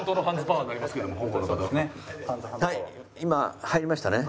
今入りましたね？